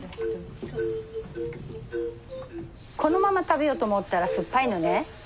このまま食べようと思ったら酸っぱいのね。